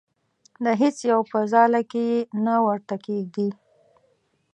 د هیڅ یو په ځاله کې یې نه ورته کېږدي.